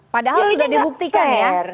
padahal sudah dibuktikan ya